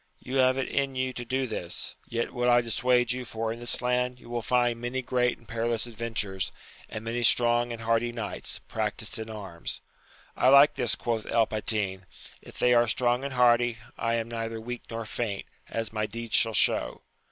You have it in you to do this ; yet would I dissuade you^^for in this land you will find many great and perilous adven tures, and many strong and hardy knights, practised in arms. I like this, quoth El Patin : if they are strong and hardy, I am neither weak nor faint, as my deeds shall show.